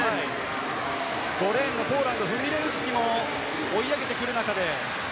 ５レーン、ポーランドフミレウスキも追い上げてくる中で。